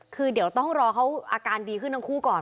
คือเดี๋ยวต้องรอเขาอาการดีขึ้นทั้งคู่ก่อน